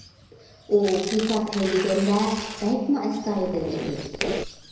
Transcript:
ئۇ پىكاپ ھەيدىگەندە بەكمۇ ئەستايىدىل ئىدى.